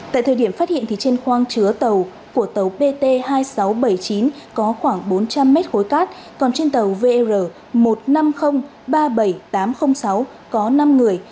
tại thời điểm phát hiện thì trên khoang chứa tàu của tàu pt hai nghìn sáu trăm bảy mươi chín có khoảng bốn trăm linh m khối cát còn trên tàu vr một năm không ba bảy tám không sáu có năm người